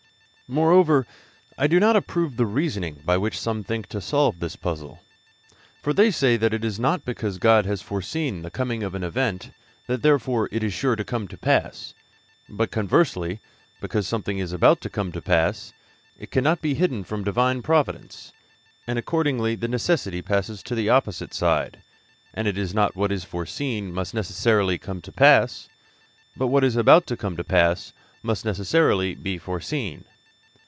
'Moreover, I do not approve the reasoning by which some think to solve this puzzle. For they say that it is not because God has foreseen the coming of an event that therefore it is sure to come to pass, but, conversely, because something is about to come to pass, it cannot be hidden from Divine providence; and accordingly the necessity passes to the opposite side, and it is not that what is foreseen must necessarily come to pass, but that what is about to come to pass must necessarily be foreseen.